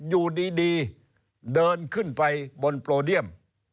อยู่ดีเดินขึ้นไปบนโปรเดียม